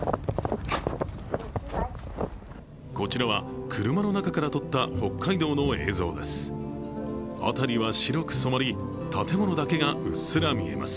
こちらは車の中から撮った北海道の映像です。